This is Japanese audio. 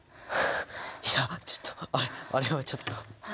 いやちょっとあれはちょっと。